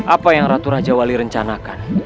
apa yang ratu raja wali rencanakan